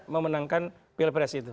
memenangkan pilpres itu